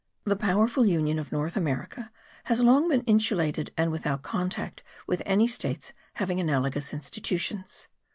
The powerful union of North America has long been insulated and without contact with any states having analogous institutions.